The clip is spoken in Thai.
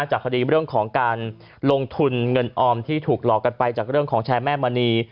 จากคดีเรื่องของการลงทุนเงินออมที่ถูกหลอกกันไปจากเรื่องของแชร์แม่มณี